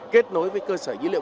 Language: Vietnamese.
kết nối với cơ sở dữ liệu